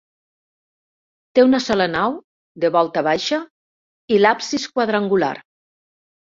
Té una sola nau, de volta baixa, i l'absis quadrangular.